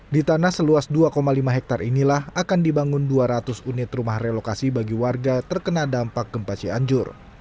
di tanah seluas dua lima hektare inilah akan dibangun dua ratus unit rumah relokasi bagi warga terkena dampak gempa cianjur